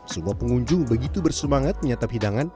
semua pengunjung begitu bersemangat menyatap hidangan